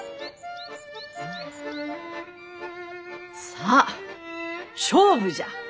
さあ勝負じゃ！